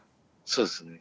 そうですね。